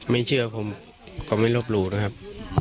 ไม่เชื่อผมก็ไม่ลบหลู่นะครับ